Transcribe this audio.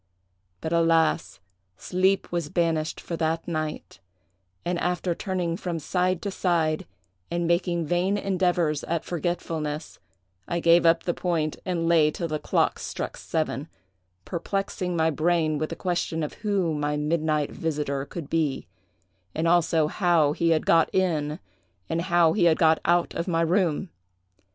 But, alas! sleep was banished for that night; and after turning from side to side, and making vain endeavors at forgetfulness, I gave up the point, and lay till the clocks struck seven, perplexing my brain with the question of who my midnight visiter could be, and also how he had got in and how he had got out of my room.